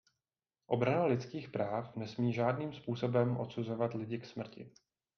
Obrana lidských práv nesmí žádným způsobem odsuzovat lidi k smrti.